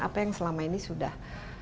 apa yang selama ini sudah